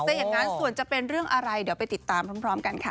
แต่อย่างนั้นส่วนจะเป็นเรื่องอะไรเดี๋ยวไปติดตามพร้อมกันค่ะ